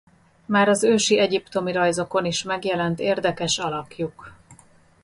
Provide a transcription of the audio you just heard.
Már az ősi egyiptomi rajzokon is megjelent érdekes alakjuk.